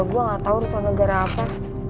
gue gak tau misalnya negara apa